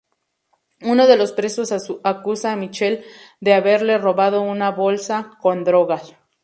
Uno de los presos acusa a Michael de haberle robado una bolsa con drogas.